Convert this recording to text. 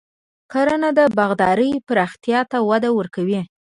کرنه د باغدارۍ پراختیا ته وده ورکوي.